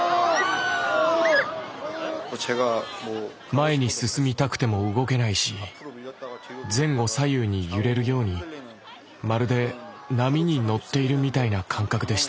前に進みたくても動けないし前後左右に揺れるようにまるで波に乗っているみたいな感覚でした。